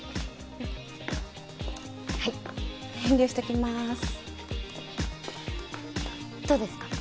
うんはい遠慮しときまーすどうですか？